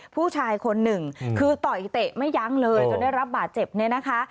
ผู้ชายคนหนึ่งคือต่อยเตะไม่ยั้งเลยจนได้รับบาดเจ็บเนี่ยนะคะ